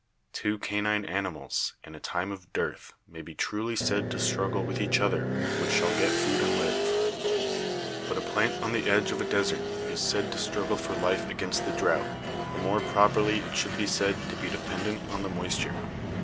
Two canine animals, in a time of dearth, may be truly said to struggle with each other which shall get food and live. But a plant on the edge of a desert is said to struggle for life against the drought, tho more properly it should be said to be dependent on the moisture.